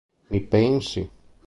Mi pensi?